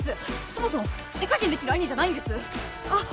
そもそも手加減できる兄じゃないんですあっ